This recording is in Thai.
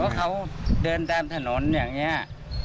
เขาเดินตามถนนอย่างเงี้ย